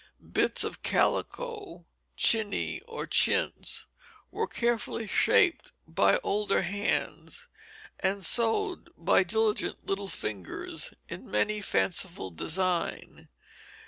Bits of calico "chiney" or chintz were carefully shaped by older hands, and sewed by diligent little fingers into many fanciful designs.